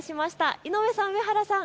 井上さん、上原さん